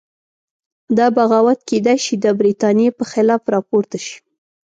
دا بغاوت کېدای شي د برتانیې په خلاف راپورته شي.